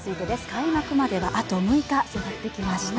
開幕までは、あと６日、迫ってきました。